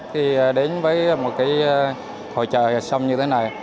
khi đến với một hội trợ xâm như thế này